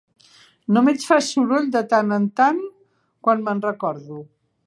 Només faig soroll de tant en tant, quan me'n recordo.